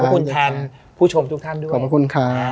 ขอบคุณแทนผู้ชมทุกท่านด้วย